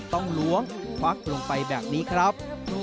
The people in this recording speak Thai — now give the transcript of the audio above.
ต้องล้วงวักไปลงไปแบบนี้ครับ